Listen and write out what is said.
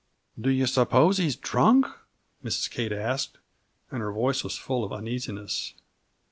"Do you suppose he's drunk?" Mrs. Kate asked, and her voice was full of uneasiness.